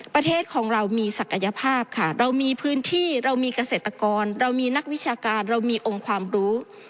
ประเทศของเรามีศักยภาพค่ะเรามีพื้นที่เรามีเกษตรกรเรามีนักวิชาการเรามีองค์ความรู้